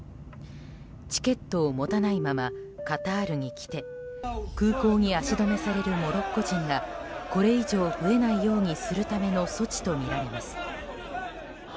チケットを持たないままカタールに来て空港に足止めされるモロッコ人がこれ以上増えないようにするための措置とみられます。